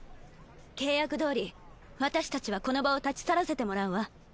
契約どおり私たちはこの場を立ち去らせてもらうわ。